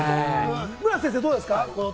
村瀬先生はどうですか？